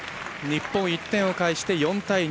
日本、１点返して４対２。